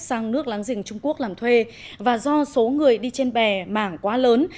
sang nước láng rình trung quốc làm thuê và do số người đi trên bè mảng quá lớn